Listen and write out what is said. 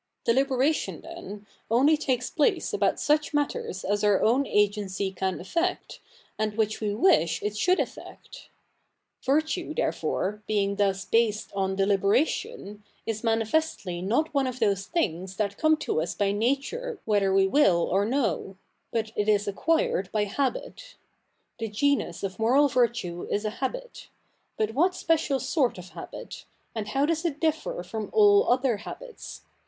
Deliberation, then, only takes place about such matters as our owfi agency can effect, and which ive wish it should effect. Virtue, therefore, being thus based on deliberatio)i, is manifestly not one of those things that come to us by nature whether we will or no ; but it is acquired by habit. The genus of moral virtue is a habit. But what special sort of habit ? and how does it differ from all other habits